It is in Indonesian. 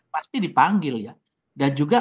pasti dipanggil ya dan juga